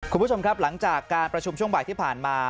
คุณผู้ชมครับหลังจากการประชุมช่วงบ่ายที่ผ่านมา